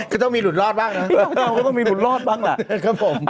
ก็ต้องมีหลุดรอดบ้างนะก็ต้องมีหลุดรอดบ้างแหละครับผม